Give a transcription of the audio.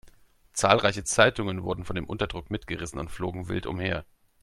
Zahlreiche Zeitungen wurden von dem Unterdruck mitgerissen und flogen wild umher.